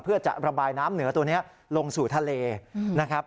เพื่อจะระบายน้ำเหนือตัวนี้ลงสู่ทะเลนะครับ